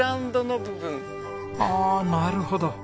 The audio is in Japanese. ああなるほど。